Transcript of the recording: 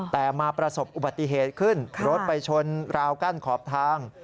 แต่มาประสบอุบัติเหตุขึ้นรถไปชนราวกั้นขอบทาง